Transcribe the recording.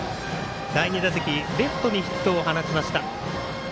第２打席レフトにヒットを放ちました。